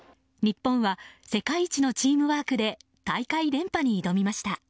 日本は、世界一のチームワークで大会連覇に挑みました。